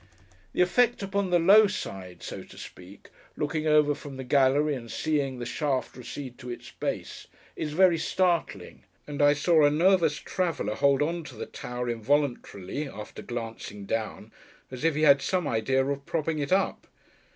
The effect upon the low side, so to speak—looking over from the gallery, and seeing the shaft recede to its base—is very startling; and I saw a nervous traveller hold on to the Tower involuntarily, after glancing down, as if he had some idea of propping it up.